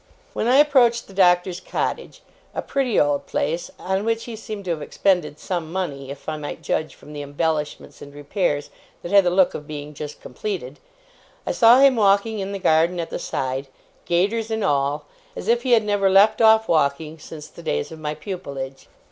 When I approached the Doctor's cottage a pretty old place, on which he seemed to have expended some money, if I might judge from the embellishments and repairs that had the look of being just completed I saw him walking in the garden at the side, gaiters and all, as if he had never left off walking since the days of my pupilage.